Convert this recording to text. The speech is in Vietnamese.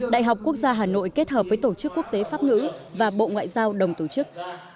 đại học quốc gia hà nội kết hợp với tổ chức quốc tế pháp ngữ và bộ ngoại giao đồng tổ chức